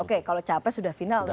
oke kalau capres sudah final dong